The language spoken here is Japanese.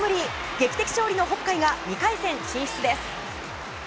劇的勝利の北海が２回戦進出です。